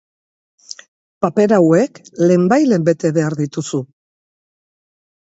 Paper hauek lehenbailehen bete behar dituzu.